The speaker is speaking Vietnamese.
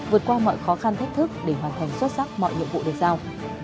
vượt qua mọi khó khăn thách thức để hoàn thành xuất sắc mọi nhiệm vụ được giao